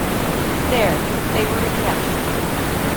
There, they were recaptured.